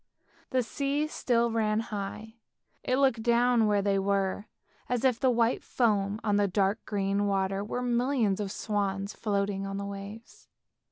The sea still ran high, it looked from where they were as if the white foam on the dark green water were millions of swans floating on the waves.